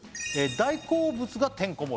大好物がてんこ盛り！